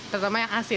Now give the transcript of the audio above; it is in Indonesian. terutama yang asli